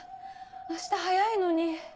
明日早いのに。